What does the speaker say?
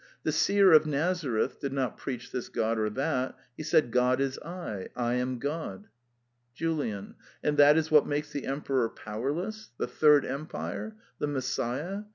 The seer of Nazareth did not preach this god or that: he said '^God is I: I am God." JULIAN. And that is what makes the emperor powerless? The third empire? The Messiah?